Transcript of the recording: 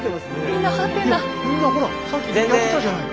みんな「？」。